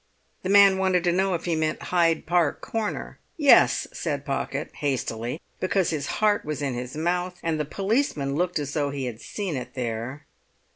The man wanted to know if he meant Hyde Park Corner. "Yes," said Pocket, hastily, because his heart was in his mouth and the policeman looked as though he had seen it there.